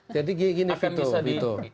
jadi gini pak vito